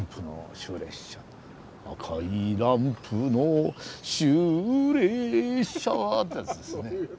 「赤いランプの終列車」ってやつですよね。